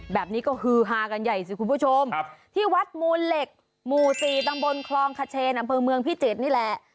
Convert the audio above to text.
แบบนี้ก็ฮือฮากันใหญ่สิคุณผู้ชมที่วัดมูลเหล็กหมู่๔ตำบลคลองขเชนอำเภอเมืองพิจิตรนี่แหละ